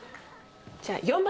じゃあ４番。